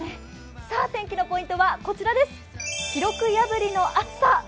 天気のポイントはこちら、記録破りの暑さ。